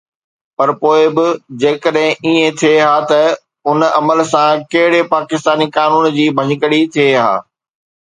پر پوءِ به جيڪڏهن ائين ٿئي ها ته ان عمل سان ڪهڙي پاڪستاني قانون جي ڀڃڪڙي ٿئي ها؟